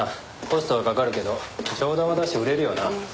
コストはかかるけど上玉だし売れるよな。